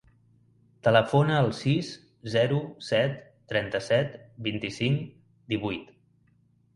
Telefona al sis, zero, set, trenta-set, vint-i-cinc, divuit.